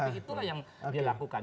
tapi itulah yang dilakukan